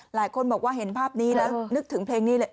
หลายคนบอกว่าเห็นภาพนี้แล้วนึกถึงเพลงนี้เลย